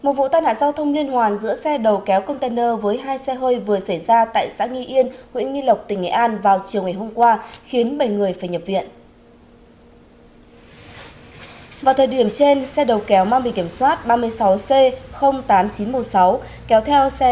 các bạn hãy đăng ký kênh để ủng hộ kênh của chúng mình nhé